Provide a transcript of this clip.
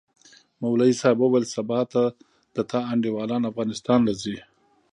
مولوي صاحب وويل سبا د تا انډيوالان افغانستان له زي؟